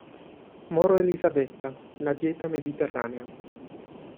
Moro Elisabetta, "La dieta mediterranea.